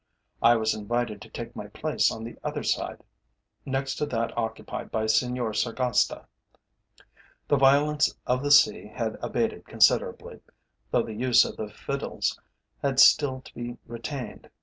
I was invited to take my place on the other side, next to that occupied by Senor Sargasta. The violence of the sea had abated considerably, though the use of the fiddles had still to be retained.